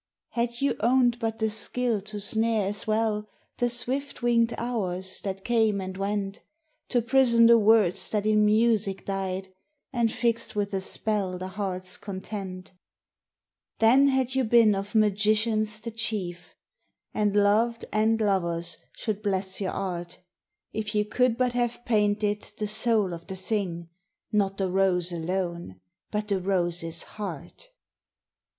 Had you owned but the skill to snare as well The swift winged hours that came and went, To prison the words that in music died, And fix with a spell the heart's content, Then had you been of magicians the chief ; And loved and lovers should bless your art, If you could but have painted the soul of the thing,— Not the rose alone, but the rose's heart